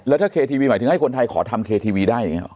แล้วถ้าเคทีวีหมายถึงให้คนไทยขอทำเคทีวีได้อย่างนี้หรอ